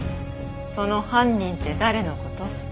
その犯人って誰の事？